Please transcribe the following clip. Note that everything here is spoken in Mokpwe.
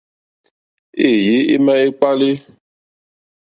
Êyé émá ékpélí.